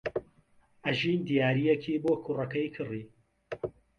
ئەژین دیارییەکی بۆ کوڕەکەی کڕی.